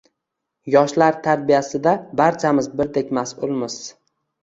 Yoshlar tarbiyasida barchamiz birdek mas’ulmiz